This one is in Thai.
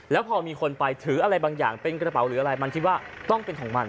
แล้วพอมีคนไปถืออะไรบางอย่างเป็นกระเป๋าหรืออะไรมันคิดว่าต้องเป็นของมัน